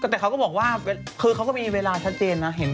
แต่เขาก็บอกว่าคือเขาก็มีเวลาชัดเจนนะ